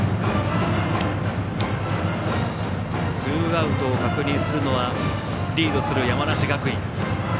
ツーアウトを確認するのはリードする山梨学院。